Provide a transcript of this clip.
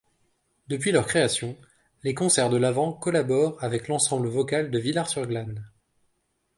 Depuis leur création, les Concerts de l'Avent collaborent avec l'Ensemble vocal de Villars-sur-Glâne.